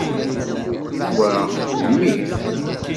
Wa, d mmi.